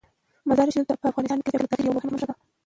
مزارشریف په افغانستان کې د چاپېریال د تغیر یوه مهمه نښه ده.